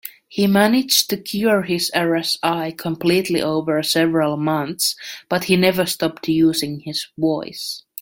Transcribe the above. He managed to cure his RSI completely over several months, but he never stopped using his voice.